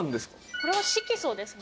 これは色素ですね